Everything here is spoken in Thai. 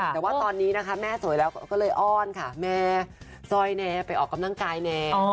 แต่ว่าตอนนี้นะคะแม่สวยแล้วก็เลยอ้อนค่ะแม่ซอยแน่ไปออกกำลังกายแน่